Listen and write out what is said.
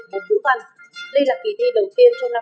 một bữa phân đây là kỳ thi đầu tiên trong năm hai nghìn hai mươi hai